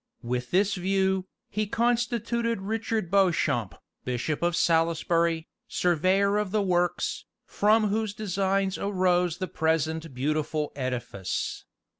With this view, he constituted Richard Beauchamp, Bishop of Salisbury, surveyor of the works, from whose designs arose the present beautiful edifice.